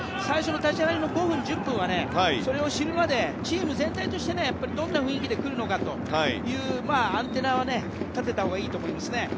最初の立ち上がりの５分、１０分はそれを知るまでチーム全体としてねどんな雰囲気で来るのかというアンテナは立てたほうがいいと思いますね。